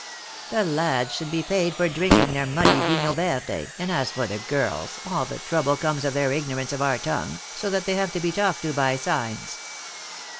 The lads should be paid for drinking their muddy vinho verde, and as for the girls, all the trouble comes of their ignorance of our tongue, so that they have to be talked to by signs."